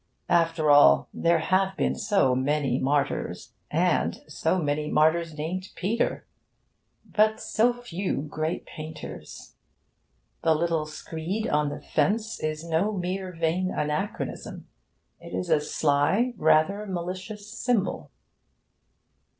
After all, there have been so many martyrs and so many martyrs named Peter but so few great painters. The little screed on the fence is no mere vain anachronism. It is a sly, rather malicious symbol.